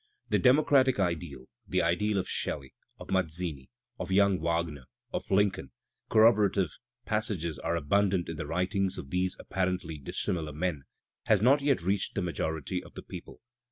The democratic ideal, the ideal of Shelley, of Mazzini, of young Wagner, of Lincoln (corroborative passages are abun^ ' dant in the writings of these apparently dissimilar men)<has I . not yet reached the majority of the people.